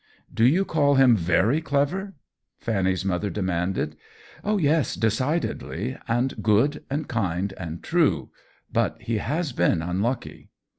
" Do you call him very clever ?" Fanny's mother demanded. " Yes, decidedly ; and good and kind and true. But he has been unlucky."